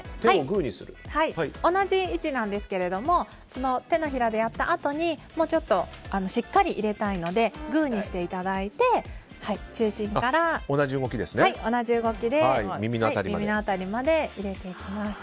同じ位置なんですが手のひらでやったあとにもうちょっとしっかり入れたいのでグーにしていただいて中心から同じ動きで耳の辺りまで入れていきます。